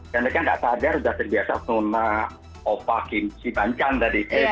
dan mereka tidak sadar sudah terbiasa dengan nuna opa kim si banchan tadi